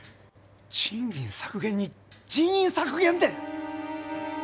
賃金削減に人員削減って！